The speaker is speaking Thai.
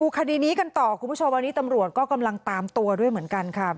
คดีนี้กันต่อคุณผู้ชมอันนี้ตำรวจก็กำลังตามตัวด้วยเหมือนกันค่ะ